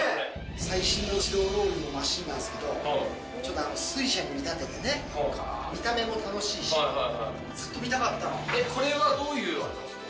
最新の自動ロウリュウのマシンなんですけど、ちょっと水車に見立ててね、見た目も楽しいし、これはどういうあれですか？